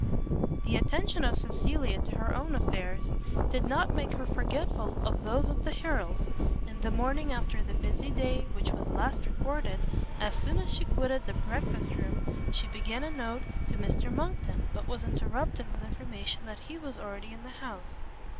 The attention of Cecilia to her own affairs, did not make her forgetful of those of the Harrels: and the morning after the busy day which was last recorded, as soon as she quitted the breakfast room, she began a note to Mr Monckton, but was interrupted with information that he was already in the house.